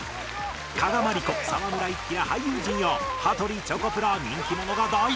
加賀まりこ沢村一樹ら俳優陣や羽鳥チョコプラ人気者が大激突！